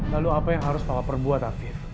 lalu apa yang harus papa perbuat afif